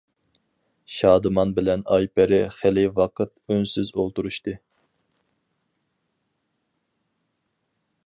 شادىمان بىلەن ئايپەرى خېلى ۋاقىت ئۈنسىز ئولتۇرۇشتى.